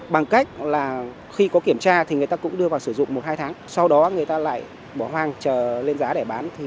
bằng cách là khi có kiểm tra thì người ta cũng đưa vào sử dụng một hai tháng sau đó người ta lại bỏ hoang chờ lên giá để bán